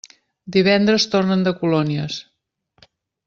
Divendres tornen de colònies.